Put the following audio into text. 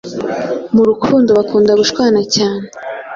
Mu rukundo bakunda gushwana cyane